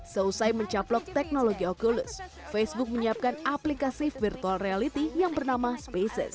seusai mencaplok teknologi oculus facebook menyiapkan aplikasi virtual reality yang bernama spaces